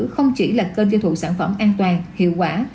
không chỉ là kênh tiêu thụ sản phẩm an toàn hiệu quả